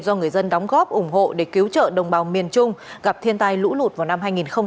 do người dân đóng góp ủng hộ để cứu trợ đồng bào miền trung gặp thiên tai lũ lụt vào năm hai nghìn hai mươi